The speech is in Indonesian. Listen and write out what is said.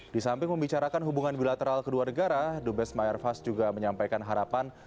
disamping membicarakan hubungan bilateral kedua negara dubes meyerfas juga menyampaikan harapan